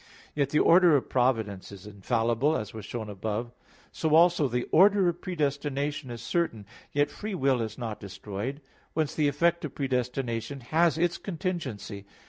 Yet the order of providence is infallible, as was shown above (Q. 22, A. 4). So also the order of predestination is certain; yet free will is not destroyed; whence the effect of predestination has its contingency.